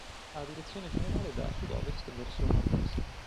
Ha direzione generale da sud-ovest verso nord-est.